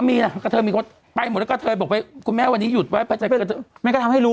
ไม่หรอกคนอยากขอเรื่องความรักอย่างที่พี่เช้าบอก